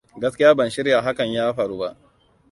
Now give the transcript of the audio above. Gaskiya ban shirya hakan ya faru ba.